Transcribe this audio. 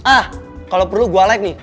ah kalau perlu gue like nih